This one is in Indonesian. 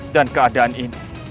dan keadaan ini